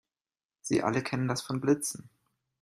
Sie alle kennen das von Blitzen.